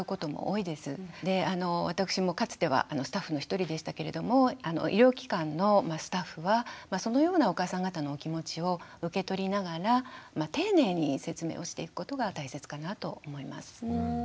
で私もかつてはスタッフの一人でしたけれども医療機関のスタッフはそのようなお母さん方のお気持ちを受け取りながら丁寧に説明をしていくことが大切かなと思います。